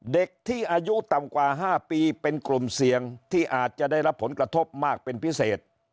เด็กที่อายุต่ำกว่า๕ปีเป็นกลุ่มเสี่ยงที่อาจจะได้รับผลกระทบมากเป็นพิเศษ